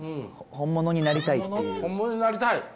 本物になりたい？